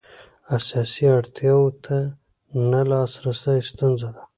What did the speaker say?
اساسي اړتیاوو ته نه لاسرسی ستونزه ده.